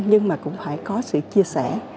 nhưng mà cũng phải có sự chia sẻ